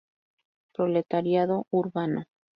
Proletariado urbano.